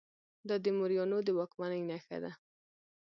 دا د موریانو د واکمنۍ نښه ده